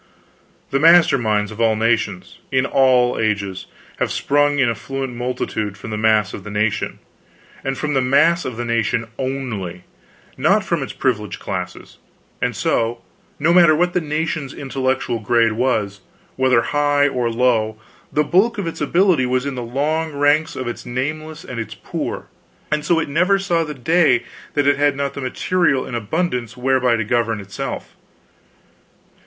The master minds of all nations, in all ages, have sprung in affluent multitude from the mass of the nation, and from the mass of the nation only not from its privileged classes; and so, no matter what the nation's intellectual grade was; whether high or low, the bulk of its ability was in the long ranks of its nameless and its poor, and so it never saw the day that it had not the material in abundance whereby to govern itself.